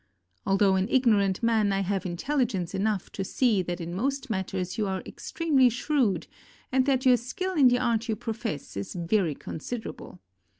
Although an ignorant man, I have intelligence enough to see that in most matters you are extremely shrewd and that your skill in the art you profess is very considerable.